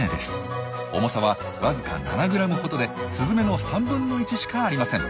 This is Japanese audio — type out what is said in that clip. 重さはわずか７ｇほどでスズメの３分の１しかありません。